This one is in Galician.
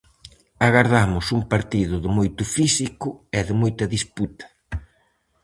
Agardamos un partido de moito físico e de moita disputa.